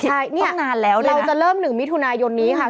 ใช่นี่เราจะเริ่มหนึ่งมิถุนายนนี้ค่ะ